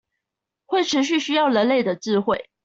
會持續需要人類的智慧